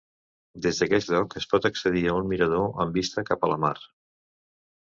Des d'aquest lloc es pot accedir a un mirador amb vista cap a la mar.